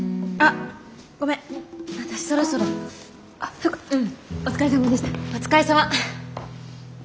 お疲れさま。